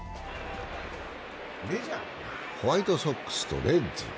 メジャー、ホワイトソックスとレッズ。